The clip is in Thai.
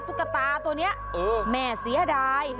ตุ๊กตาตัวนี้แม่เสียดาย